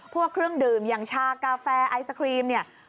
เครื่องดื่มอย่างชากาแฟไอศครีมเนี่ย